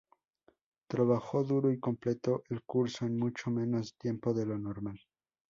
Trabajó duro y completó el curso en mucho menos tiempo de lo normal.